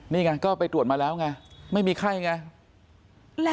นี่ไงก็ไปตรวจมาแล้วไงไม่มีไข้ไง